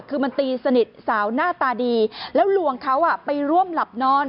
คือมันตีสนิทสาวหน้าตาดีแล้วลวงเขาไปร่วมหลับนอน